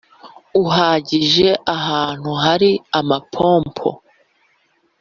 uhagije ahantu hari amapompo